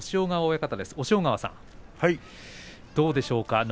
親方、どうでしょうか。